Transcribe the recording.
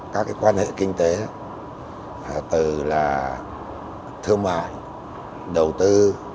các quan hệ kinh tế từ là thương mại đầu tư